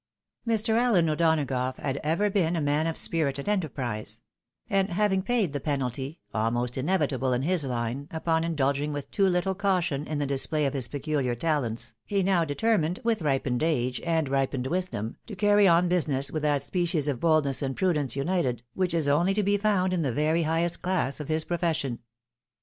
Mr. AHen O'Donagough had ever been a man of spirit and enterprise ; and having paid the penalty, almost inevitable in his hne, upon indulging with too little caution in the display of his pecuhar talents, he now determined, with ripened age, and ripened wisdom, to carry on business with that species of bold ness and prudence united, which is only to be found in the very highest class of his profession.